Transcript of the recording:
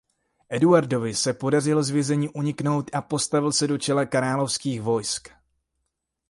Eduardovi se podařilo z vězení uniknout a postavil se do čela královských vojsk.